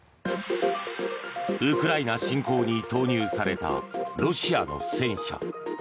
ウクライナ侵攻に投入されたロシアの戦車。